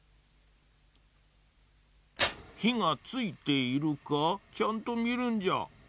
ひがついているかちゃんとみるんじゃ。